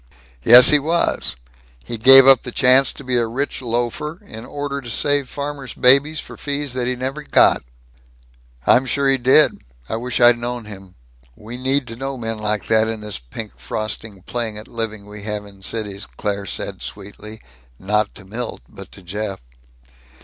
"Yes. He was. He gave up the chance to be a rich loafer in order to save farmers' babies for fees that he never got." "I'm sure he did. I wish I'd known him. We need to know men like that in this pink frosting playing at living we have in cities," Claire said sweetly not to Milt but to Jeff.